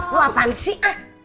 lu apaan sih ah